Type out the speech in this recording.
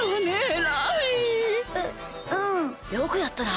よくやったな！